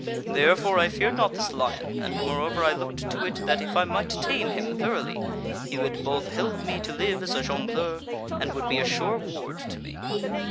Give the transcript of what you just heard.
Therefore I feared not this lion, and, moreover, I looked to it that if I might tame him thoroughly, he would both help me to live as a jongleur, and would be a sure ward to me.